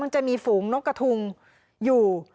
จะมีฝูงนกกระทุงอยู่